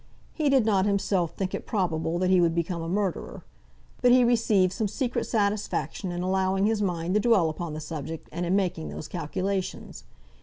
He did not, himself, think it probable that he would become a murderer. But he received some secret satisfaction in allowing his mind to dwell upon the subject, and in making those calculations.